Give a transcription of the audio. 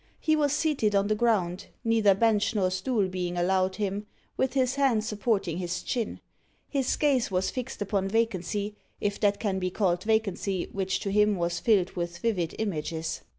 He was seated on the ground neither bench nor stool being allowed him with his hand supporting his chin. His gaze was fixed upon vacancy if that can he called vacancy which to him was filled with vivid images.